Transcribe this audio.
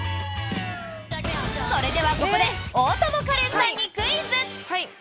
それではここで大友花恋さんにクイズ！